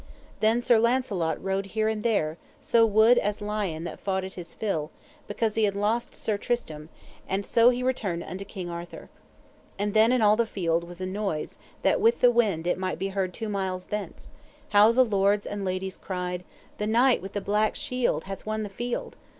Then Sir Launcelot rode here and there, so wood as lion that fauted his fill, because he had lost Sir Tristram, and so he returned unto King Arthur. And then in all the field was a noise that with the wind it might be heard two mile thence, how the lords and ladies cried: The Knight with the Black Shield hath won the field.